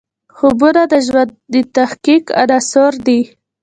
خوبونه د ژوند د تحقق عناصر دي.